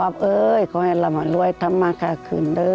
อ๊อบเอ้ยเขาให้เรามารวยทำมาค่าคืน